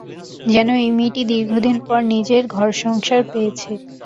যেন এই মেয়েটি দীর্ঘদিন পর নিজের ঘর-সংসার পেয়েছে।